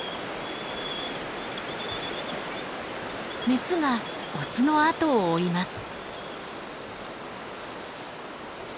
メスがオスのあとを追います。